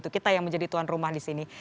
kita yang menjadi tuan rumah di sini